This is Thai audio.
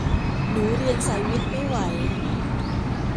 หนูเรียนสายวิทย์ไม่ไหว